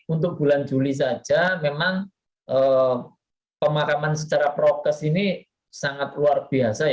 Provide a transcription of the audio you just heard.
untuk bulan juli saja memang pemakaman secara prokes ini sangat luar biasa